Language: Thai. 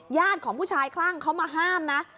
ของผู้ชายคลั่งเขามาห้ามนะ